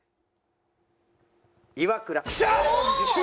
イワクラ。